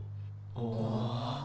ああ？